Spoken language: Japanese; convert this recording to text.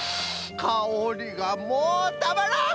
かおりがもうたまらん！